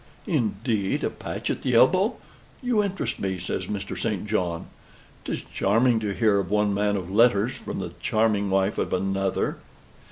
"Indeed a patch at the elbow! You interest me," says Mr. St. John. "'Tis charming to hear of one man of letters from the charming wife of another."